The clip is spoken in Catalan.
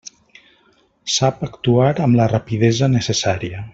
Sap actuar amb la rapidesa necessària.